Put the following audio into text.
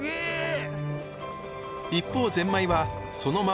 一方ぜんまいはそのまま熱湯に。